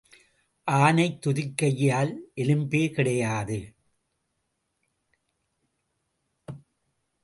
ஆனைத் துதிக்கையில் எலும்பே கிடையாது.